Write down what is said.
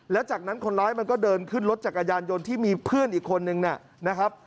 แล้วจากนั้นคนร้ายมันก็เดินขึ้นรถจักรยานยนต์ที่มีเพื่อนอีกคนนึงนะครับ